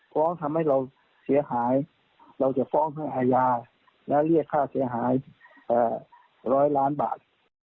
ทำให้เราเสียหายเราจะฟ้องให้อาญาและเรียกค่าเสียหาย๑๐๐ล้านบาท